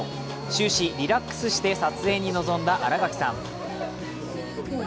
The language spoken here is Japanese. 終始リラックスして撮影に臨んだ新垣さん。